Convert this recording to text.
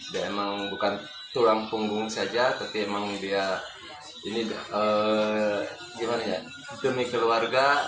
dia emang bukan tulang punggung saja tapi emang dia demi keluarga